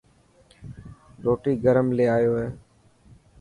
روٽي گرم لي آيو هي.